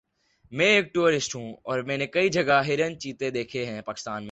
میں ایک ٹورسٹ ہوں اور میں نے کئی جگہ ہرن چیتے دیکھے ہے پاکستان میں